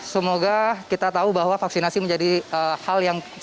semoga kita tahu bahwa vaksinasi menjadi hal yang sangat digencarkan oleh kita